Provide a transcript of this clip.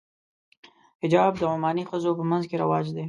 حجاب د عماني ښځو په منځ کې رواج دی.